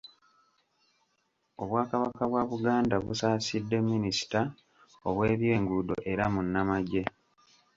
Obwakabaka bwa Buganda busaasidde Minista ow’ebyenguudo era munnamagye.